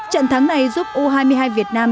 trận thắng này giúp u hai mươi hai việt nam